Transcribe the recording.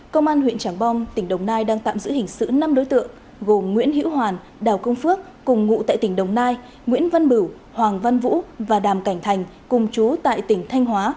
công an huyện trảng bom tỉnh đồng nai đang tạm giữ hình sự năm đối tượng gồm nguyễn hữu hoàn đào công phước cùng ngụ tại tỉnh đồng nai nguyễn văn bửu hoàng văn vũ và đàm cảnh thành cùng chú tại tỉnh thanh hóa